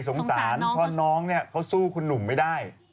สงสารเพราะน้องเนี่ยเขาสู้คุณหนุ่มไม่ได้